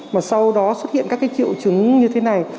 mà sau đó xuất hiện các triệu chứng như thế này